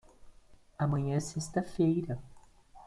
Amanhã é sexta-feira.